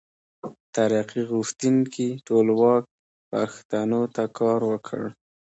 ترقي غوښتونکي ټولواک پښتو ته کار وکړ.